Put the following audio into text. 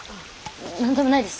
何でもないです